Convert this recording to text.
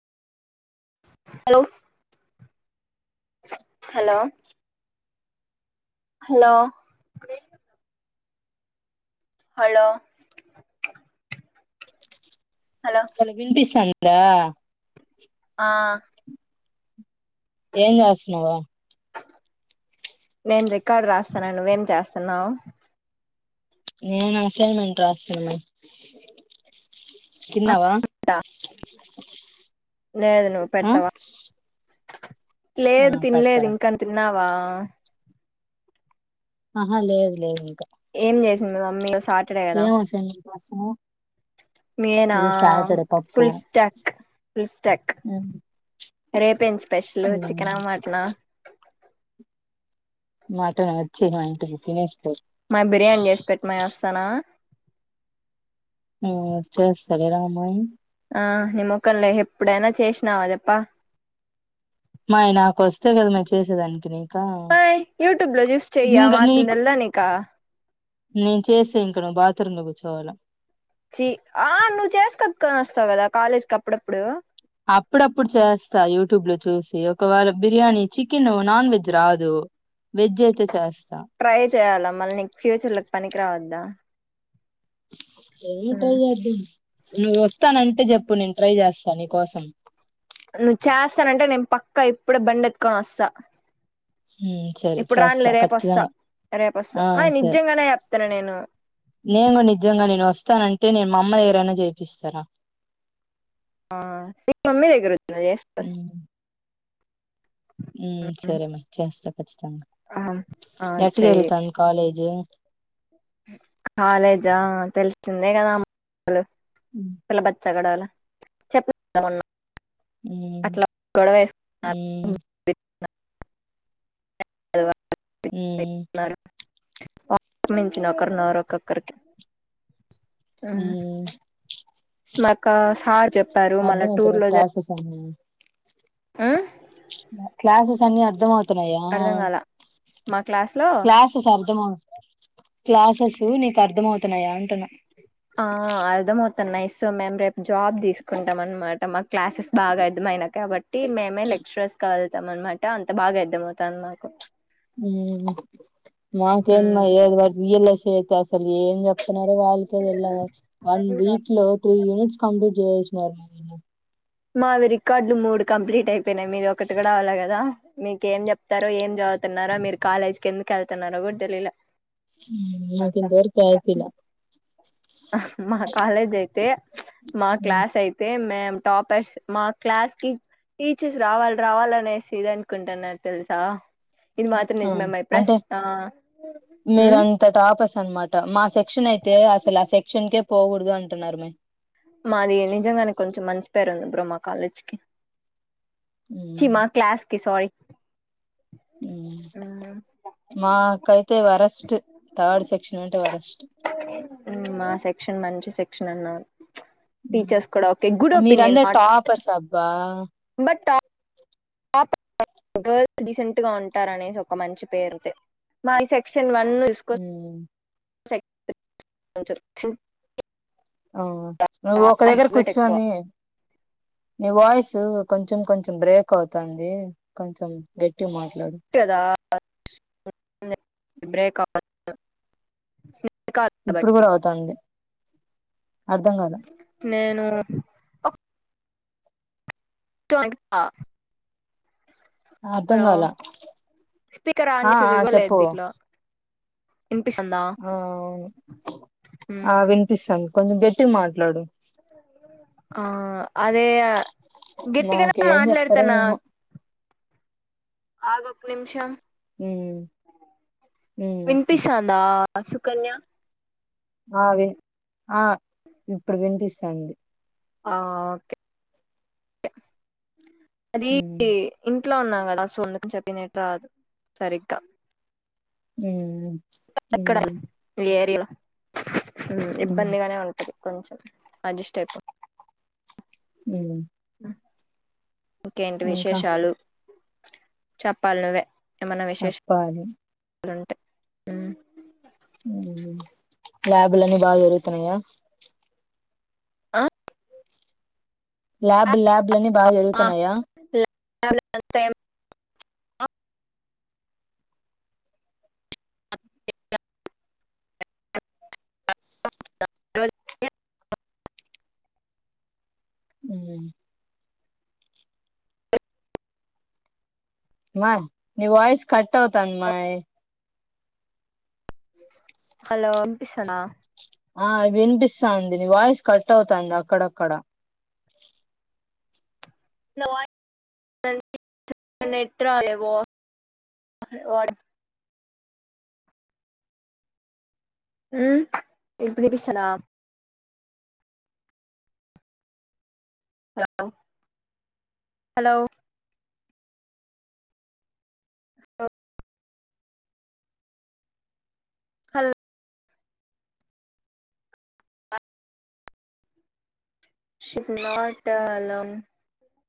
Hello hello hello hello hello వినిపిస్తం దా ఆ ఏం చేస్తన్నావు నేను రికార్డు రాస్తన్న నువ్వేం చేస్తన్నావ్ నేను అసైన్మెంట్ రాస్తున్న తిన్నావా లేదు నువ్వు ఆ పెడతావా ఆ లేదు తినలేదు పెడతారా ఇంక నువ్ తిన్నావా ఆ ఆహా లేదు లేదు ఇంకా ఏం చేసింది మీ మమ్మీ సాటర్డే కదా ఏం అసైన్మెంట్ రాస్తున్నావ్ నేనా ఇది సాటర్డే పప్పు ఫుల్ స్టాక్ ఫుల్ స్టాక్ రేపేంది స్పెషలు చికెనా మటనా మటను మా బిర్యానీ చేసి పెట్మా నేను వస్తాను ఆ చేస్తాలే రామా ఆ ని ముఖంలె ఎప్పుడైన చేసినావా చెప్ప మయ్ నాకోస్తే కదా మె చేసేదానికి ని పయ్ యూట్యూబ్ లో జుసి చెయ ఆ మాత్రం నీకు తెల్దా నీకా నేను చేస్తే ఇంక నువ్వు బాత్రూమ్ లో కూర్చోవాల చి ఆ నువ్వు చేస్ కట్కోనోస్తావు కదా కాలేజ్ కప్పుడప్పుడు అప్పుడప్పుడు చేస్తా యూట్యూబ్ లో చూసి ఒకవేళ బిర్యానీ చికెన్ నాన్ వెజ్ రాదు వెజ్ అయితే చేస్ ట్రై చేయాల మళ్ళీ నీకు ఫ్యూచర్ల పనికి రావద్దా ఎం ట్రై చేద్దాం నువ్వు వస్తానంటే చెప్పు నేను ట్రై చేస్తా ని కోసం నువ్వు చేస్తానంటే నేను పక్కా ఇప్పుడే బండెత్తుకొని వస్తా ఉమ్ సరే ఇప్పుడు చేస్తా రానిలే రేపొస్తా ఖచ్చితంగా రేపొస్తా ఆ మే సరే నిజంగానే తన నేను నేను నిజంగా నేను వస్తానంటే నేను మామ్మ దగ్గరైనా చేపిస్తారా ఆ [inaudible] దగ్గర ఉమ్ ఉమ్ సరే మరి చేస్తా కచ్చితంగా ఆ ఎట్ చెయ్యి జరుగుతాంది కాలేజ్ జ కాలేజా తెల్సిందే కద హలో ఉమ్ హలో బచ్ తగడాల చెపుదమన్నా ఉమ్ అట్లా గొడవేసుకున్నారు ఎలా ఉ ఆక్రమించిన ఒకరు నోరొక్కరికి ఉ ఉమ్ మాకు సార్ చెప్పారు మళ్ళా టూర్ అర్థమవుతున్నాయా లో క్లాసెస్ అన్ని ఆ క్లాసెస్ అన్ని అర్ధం అవుతు తన్నాయ అర్థం కాల మా క్లాస్ లో క్లాసెస్ అర్థమవుతాయి క్లాసెస్ నీకు అర్థం అవుతున్నాయా అంటున్నా ఆ అర్థమవు తన్ నైస్ సో మ్యామ్ రేప్ జాబ్ తీసుకుంటాం అన్నమాట మ క్లాసెస్ బాగా అర్థమైనాయి కాబట్టి మేమే లెక్చరర్స్ కల్ ఇస్తాం అనమాట అంత బాగా అర్థమవుతాయి మాకు ఉ మాకేన్మా ఉమ్. ఏ వర్ ఇఎల్ఎస్ఏ అస్సలు ఏం చెప్తున్నారో వాళ్ళకే తెలియాల వన్ వీక్ లో త్రీ యూనిట్స్ కంప్లీట్ చేసి [unintelligible] మావి రికార్డ్లు మూడు కంప్లీట్ అయిపయినాయి మీది ఒకటి కూడా కాలే కదా మీకేం చెప్తారో ఏం చదువుతున్నారో మీరు కాలేజీకి ఎందుకు వెళ్తన్నారో కూడా తెలీలా హు నాకిింతవరకు ప్రాజెక్ట్ ఇలా మా కాలేజ్ అయితే మా క్లాస్ అయితే మేం టాపర్స్ మా క్లాస్ కి టీచర్స్ రావాలి రావాలనేసి ఇది అనుకుంటున్నారు తెలుసా ఇది మాత్రం ఆ నిజమయి ప్రస్ అంటే ఆ ఉ మీరంత టాపర్స్ అనమాట మా సెక్షన్ అయితే అసలు ఆ సెక్షన్కే పోకూడదు అంటున్నారు మే మాది నిజంగానే కొంచెం మంచి పేరు ఉంది బ్రో మా కాలేజ్కి చి మా క్లాస్ ఓకే సారి ఉ మాకైతే వరస్ట్ థర్డ్ సెక్షన్ అంటే వరస్ట్ క్షనన్నా టీచర్స్ కూడా ఓకే గుడ్ ఒపీనియన్ మీరందరు అట్ టాపర్స్ అబ్బా బట్ గల్స్ రీసెంట్ గా ఉంటారునే ఒక మంచి పేరు మా సెక్షన్ సక్షన్ వన్ తీసుకో ఉమ్ అ కొంచెం స్ట్రిక్ట్ ఓ నువ్వు ఒక దగ్గర ఎక్కువ కూర్చొని నీ వాయిస్ కొంచెం కొంచెం బ్రేక్ అవుతుంది కొంచెం గట్టిగా మాట్లాడు ఇ కదా బ్రేక్ ఇప్పుడు కాబట్టి కూడా అవుతాండి అర్ధం కాదుా నేను ఒక నిమిషం ఆగుతా. అర్ధం హలో కాల స్పీకర్ ఆ ఆన్ చేసేది చెప్పు లేదు ఇందులో ఆ ఆ మ్మ్. అవును వినిపిస్తుంది కొంచెం గట్టి మాట్లాడు ఆ అదే గట్టిగానే మాకు ఏం చెప్తారో మాట్లాడతానా ఏమో ఆగు ఒక్క నిమిషం ఉమ్ ఉమ్ ఓకే వినిపిించాందా అసుుకన్యా ఆ వి ఆ ఇప్పుడు వినిపిస్తుడి ఆ ఓకే అదిీ ఉమ్ ఇకా ఇట్లా ఉన్నాం కదా సొంతకని చెప్పినట్టు రాదు సరిగ్గా ఉ ఎక్కడ లేరిలో ఉమ్ ఇబ్బందిగానే ఉంటది కొంచెం అడ్జస్ట్ అయిపోం ఉవు ఇంకేంటి ఇంకా విశేషాలు చెప్పాలి నువ్వే చెప్పాలి అలుంటాయి ల్యాబులన్నీ బాగా జొరుగుతున్నాయా ఆ ల్యాబ్ ల్యాబ్ లన్ని బాగా జరుగుతున్నాయా హు మా నీ వయిస్ కట్ అవుతాందిమై హలో వినిపిస్థాందా ఆ వినిపిస్తాంది నీ వాయిస్ కట్ అవుతాంది అక్కడక్కడ నా వా నెట్ రాలె వా వాడ్ హు ఇప్పుడు వీ స్త ల హలో హలో హల్ శి సినవాటళం